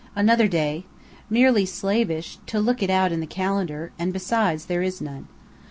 Another Day: (Merely slavish to look it out in the calendar, and besides there is none.)